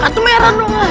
kartu merah dong ra